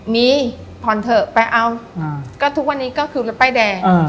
มีผ่อนเถอะไปเอาก็ทุกวันนี้ก็คือรถป้ายแดง